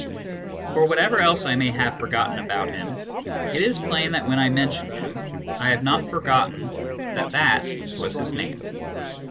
For whatever else I may have forgotten about him, it is plain that when I mention him I have not forgotten that that was his name.)